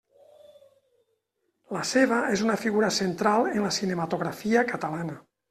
La seva és una figura central en la cinematografia catalana.